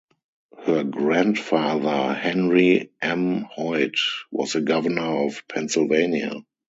Her grandfather, Henry M. Hoyt, was a governor of Pennsylvania.